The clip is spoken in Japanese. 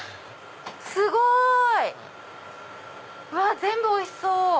すごい！全部おいしそう！